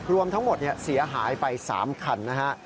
รวมทั้งหมดเสียหายไป๓คันนะฮะ